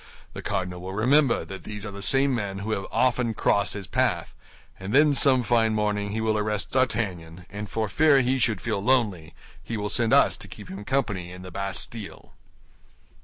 The cardinal will remember that these are the same men who have often crossed his path; and then some fine morning he will arrest D'Artagnan, and for fear he should feel lonely, he will send us to keep him company in the Bastille."